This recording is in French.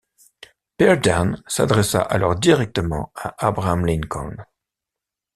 Berdan s'adressa alors directement à Abraham Lincoln.